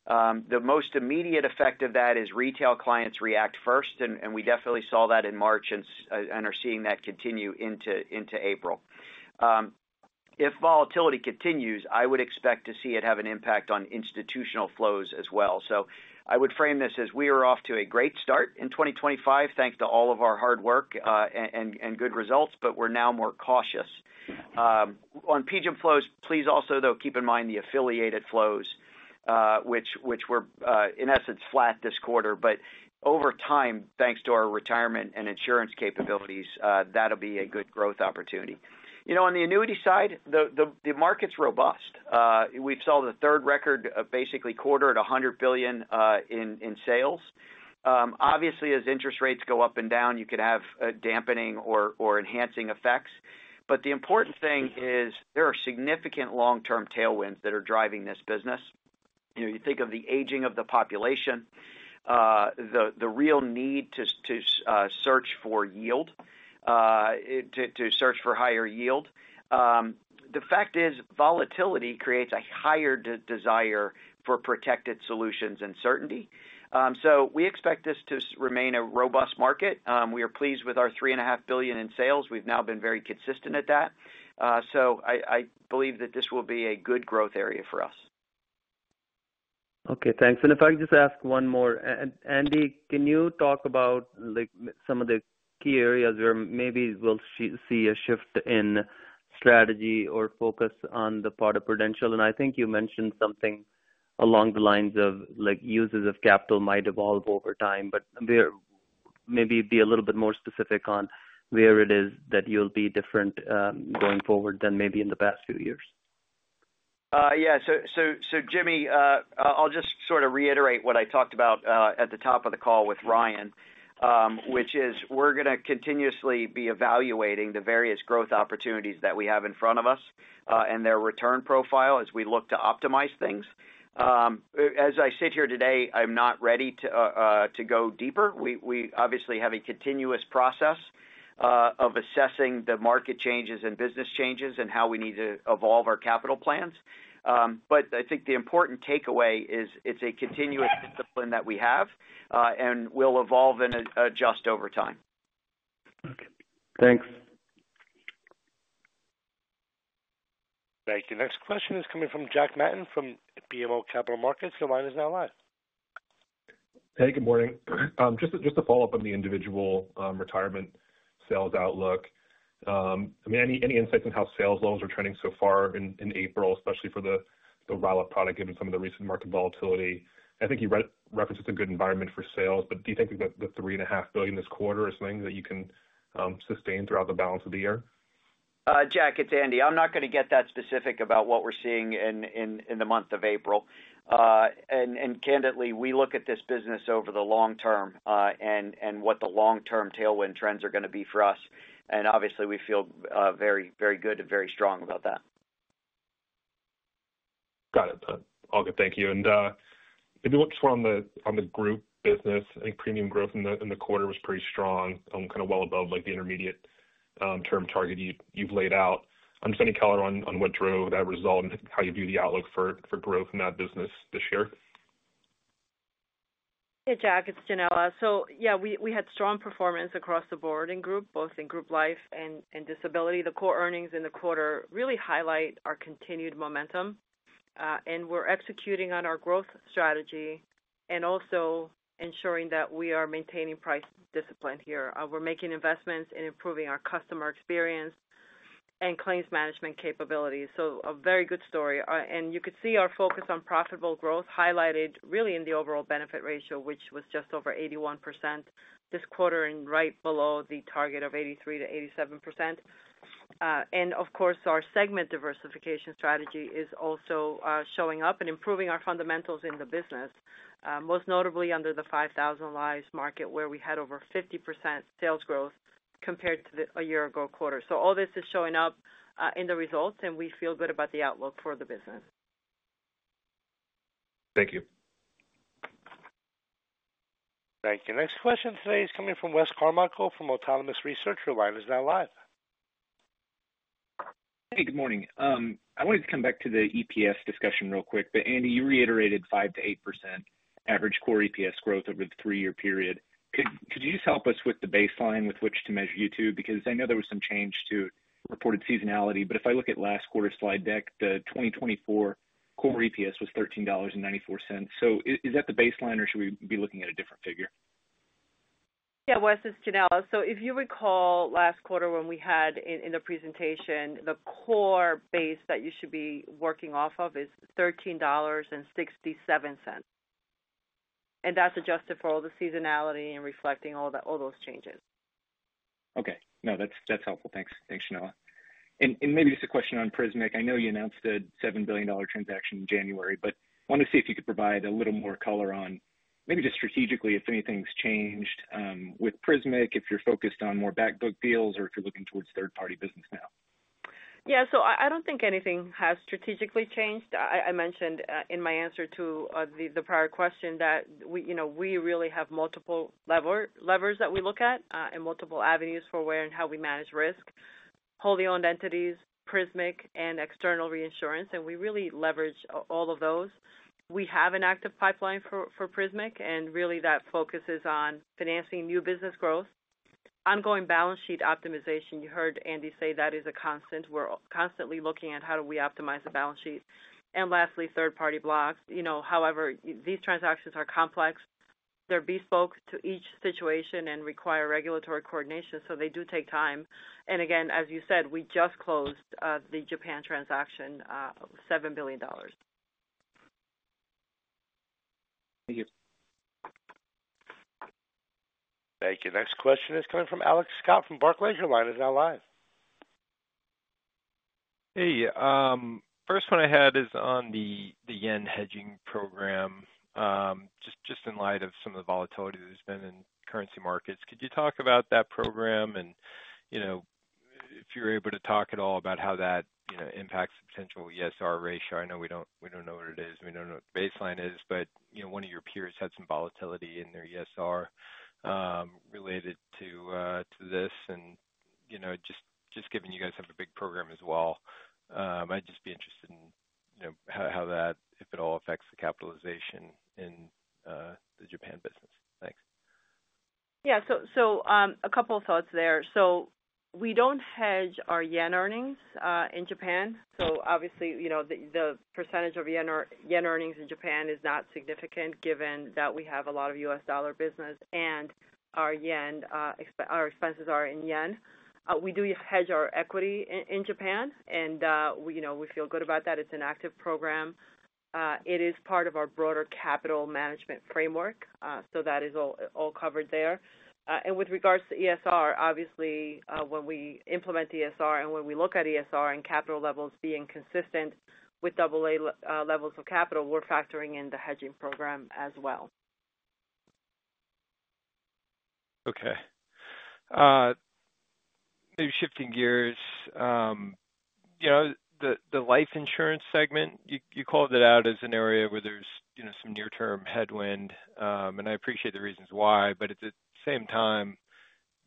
The most immediate effect of that is retail clients react first, and we definitely saw that in March and are seeing that continue into April. If volatility continues, I would expect to see it have an impact on institutional flows as well. I would frame this as we are off to a great start in 2025, thanks to all of our hard work and good results, but we're now more cautious. On PGIM flows, please also, though, keep in mind the affiliated flows, which were, in essence, flat this quarter. Over time, thanks to our retirement and insurance capabilities, that'll be a good growth opportunity. On the annuity side, the market's robust. We've sold a third record of basically quartered $100 billion in sales. Obviously, as interest rates go up and down, you can have dampening or enhancing effects. The important thing is there are significant long-term tailwinds that are driving this business. You think of the aging of the population, the real need to search for yield, to search for higher yield. The fact is volatility creates a higher desire for protected solutions and certainty. We expect this to remain a robust market. We are pleased with our $3.5 billion in sales. We've now been very consistent at that. I believe that this will be a good growth area for us. Okay. Thanks. If I could just ask one more. Andy, can you talk about some of the key areas where maybe we'll see a shift in strategy or focus on the product Prudential? I think you mentioned something along the lines of uses of capital might evolve over time, but maybe be a little bit more specific on where it is that you'll be different going forward than maybe in the past few years. Yeah. Jimmy, I'll just sort of reiterate what I talked about at the top of the call with Ryan, which is we're going to continuously be evaluating the various growth opportunities that we have in front of us and their return profile as we look to optimize things. As I sit here today, I'm not ready to go deeper. We obviously have a continuous process of assessing the market changes and business changes and how we need to evolve our capital plans. I think the important takeaway is it's a continuous discipline that we have and will evolve and adjust over time. Okay. Thanks. Thank you. Next question is coming from Jack Matten from BMO Capital Markets. The line is now live. Hey. Good morning. Just to follow up on the individual retirement sales outlook, I mean, any insights on how sales levels are trending so far in April, especially for the RILA product given some of the recent market volatility? I think you referenced it's a good environment for sales, but do you think the $3.5 billion this quarter is something that you can sustain throughout the balance of the year? Jack, it's Andy. I'm not going to get that specific about what we're seeing in the month of April. Candidly, we look at this business over the long term and what the long-term tailwind trends are going to be for us. Obviously, we feel very good and very strong about that. Got it. All good. Thank you. Maybe just on the group business, I think premium growth in the quarter was pretty strong, kind of well above the intermediate-term target you have laid out. I am just going to follow up on what drove that result and how you view the outlook for growth in that business this year? Hey, Jack. It's Yanela. Yeah, we had strong performance across the board in group, both in group life and disability. The core earnings in the quarter really highlight our continued momentum. We are executing on our growth strategy and also ensuring that we are maintaining price discipline here. We are making investments in improving our customer experience and claims management capabilities. A very good story. You could see our focus on profitable growth highlighted really in the overall benefit ratio, which was just over 81% this quarter and right below the target of 83%-87%. Our segment diversification strategy is also showing up and improving our fundamentals in the business, most notably under the 5,000 lives market where we had over 50% sales growth compared to a year ago quarter. All this is showing up in the results, and we feel good about the outlook for the business. Thank you. Thank you. Next question today is coming from Wes Carmichael from Autonomous Research. Your line is now live. Hey. Good morning. I wanted to come back to the EPS discussion real quick, but Andy, you reiterated 5-8% average core EPS growth over the three-year period. Could you just help us with the baseline with which to measure you to? Because I know there was some change to reported seasonality, but if I look at last quarter slide deck, the 2024 core EPS was $13.94. So is that the baseline, or should we be looking at a different figure? Yeah. Wes, it's Yanela. If you recall last quarter when we had in the presentation, the core base that you should be working off of is $13.67. That's adjusted for all the seasonality and reflecting all those changes. Okay. No, that's helpful. Thanks, Yanela. Maybe just a question on Prismic. I know you announced a $7 billion transaction in January, but I wanted to see if you could provide a little more color on maybe just strategically if anything's changed with Prismic, if you're focused on more backbook deals or if you're looking towards third-party business now. Yeah. I do not think anything has strategically changed. I mentioned in my answer to the prior question that we really have multiple levers that we look at and multiple avenues for where and how we manage risk: wholly owned entities, Prismic, and external reinsurance. We really leverage all of those. We have an active pipeline for Prismic, and really that focuses on financing new business growth. Ongoing balance sheet optimization, you heard Andy say that is a constant. We are constantly looking at how do we optimize the balance sheet. Lastly, third-party blocks. However, these transactions are complex. They are bespoke to each situation and require regulatory coordination, so they do take time. Again, as you said, we just closed the Japan transaction, $7 billion. Thank you. Thank you. Next question is coming from Alex Scott from Barclays. Your line is now live. Hey. First one I had is on the yen hedging program, just in light of some of the volatility that has been in currency markets. Could you talk about that program? If you're able to talk at all about how that impacts the potential ESR ratio. I know we don't know what it is. We don't know what the baseline is, but one of your peers had some volatility in their ESR related to this. Just given you guys have a big program as well, I'd just be interested in how that, if at all, affects the capitalization in the Japan business. Thanks. Yeah. A couple of thoughts there. We do not hedge our yen earnings in Japan. Obviously, the percentage of yen earnings in Japan is not significant given that we have a lot of US dollar business and our expenses are in yen. We do hedge our equity in Japan, and we feel good about that. It is an active program. It is part of our broader capital management framework, so that is all covered there. With regards to ESR, obviously, when we implement ESR and when we look at ESR and capital levels being consistent with AA levels of capital, we are factoring in the hedging program as well. Okay. Maybe shifting gears. The life insurance segment, you called it out as an area where there's some near-term headwind, and I appreciate the reasons why. At the same time,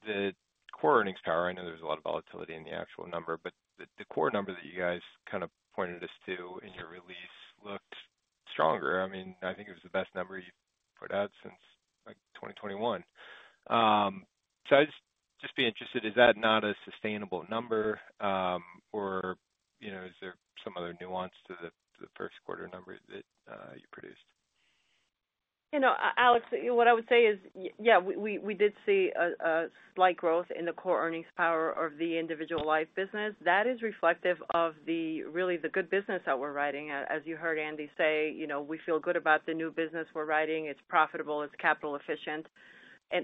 the core earnings power—I know there's a lot of volatility in the actual number—but the core number that you guys kind of pointed us to in your release looked stronger. I mean, I think it was the best number you put out since 2021. I'd just be interested, is that not a sustainable number, or is there some other nuance to the 1st quarter number that you produced? Alex, what I would say is, yeah, we did see a slight growth in the core earnings power of the individual life business. That is reflective of really the good business that we're writing. As you heard Andy say, we feel good about the new business we're writing. It's profitable. It's capital efficient.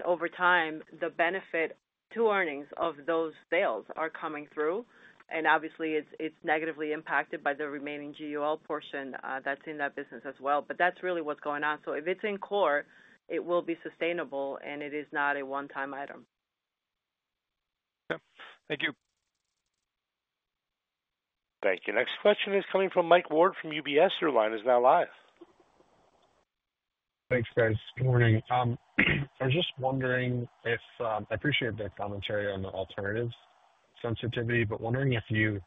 Over time, the benefit to earnings of those sales are coming through. Obviously, it's negatively impacted by the remaining GUL portion that's in that business as well. That is really what's going on. If it's in core, it will be sustainable, and it is not a one-time item. Okay. Thank you. Thank you. Next question is coming from Mike Ward from UBS. Your line is now live. Thanks, guys. Good morning. I was just wondering if I appreciate the commentary on the alternatives sensitivity, but wondering if you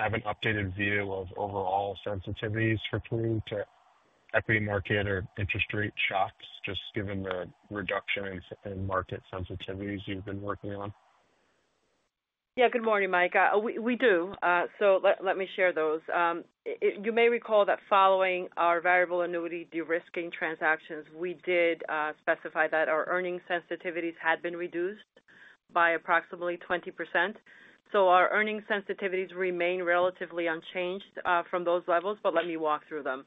have an updated view of overall sensitivities for Prudential to equity market or interest rate shocks, just given the reduction in market sensitivities you've been working on. Yeah. Good morning, Mike. We do. Let me share those. You may recall that following our variable annuity de-risking transactions, we did specify that our earnings sensitivities had been reduced by approximately 20%. Our earnings sensitivities remain relatively unchanged from those levels, but let me walk through them.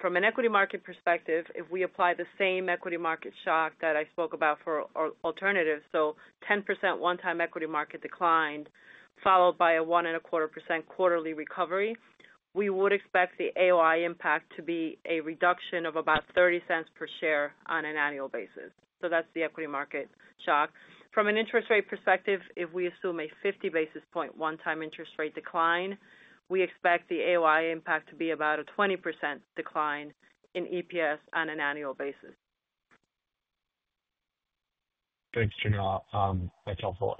From an equity market perspective, if we apply the same equity market shock that I spoke about for alternatives, a 10% one-time equity market decline, followed by a 1.25% quarterly recovery, we would expect the AOI impact to be a reduction of about $0.30 per share on an annual basis. That is the equity market shock. From an interest rate perspective, if we assume a 50 basis point one-time interest rate decline, we expect the AOI impact to be about a 20% decline in EPS on an annual basis. Thanks, Yanela. That's helpful.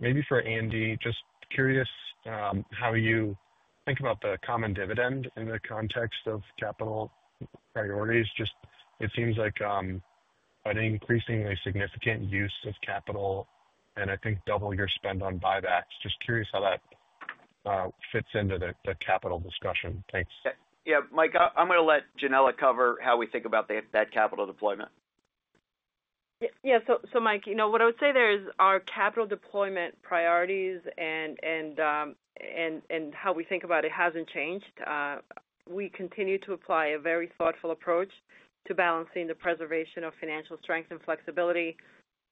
Maybe for Andy, just curious how you think about the common dividend in the context of capital priorities. It seems like an increasingly significant use of capital, and I think double your spend on buybacks. Just curious how that fits into the capital discussion. Thanks. Yeah. Mike, I'm going to let Yanela cover how we think about that capital deployment. Yeah. Mike, what I would say there is our capital deployment priorities and how we think about it has not changed. We continue to apply a very thoughtful approach to balancing the preservation of financial strength and flexibility,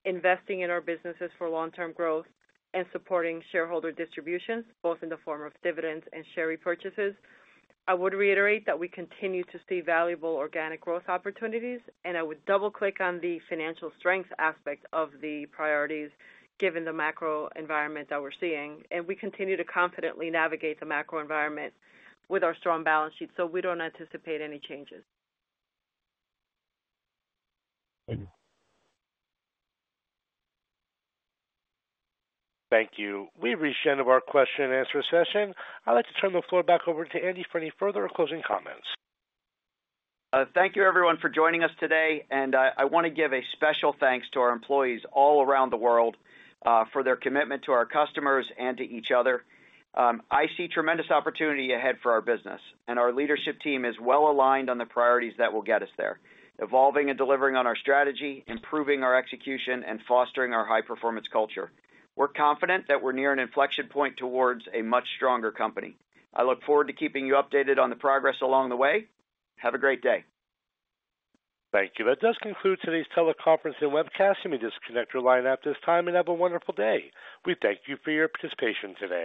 investing in our businesses for long-term growth, and supporting shareholder distributions, both in the form of dividends and share repurchases. I would reiterate that we continue to see valuable organic growth opportunities, and I would double-click on the financial strength aspect of the priorities given the macro environment that we are seeing. We continue to confidently navigate the macro environment with our strong balance sheet, so we do not anticipate any changes. Thank you. Thank you. We've reached the end of our question-and-answer session. I'd like to turn the floor back over to Andy for any further or closing comments. Thank you, everyone, for joining us today. I want to give a special thanks to our employees all around the world for their commitment to our customers and to each other. I see tremendous opportunity ahead for our business, and our leadership team is well aligned on the priorities that will get us there: evolving and delivering on our strategy, improving our execution, and fostering our high-performance culture. We are confident that we are near an inflection point towards a much stronger company. I look forward to keeping you updated on the progress along the way. Have a great day. Thank you. That does conclude today's teleconference and webcast. You may disconnect your line at this time and have a wonderful day. We thank you for your participation today.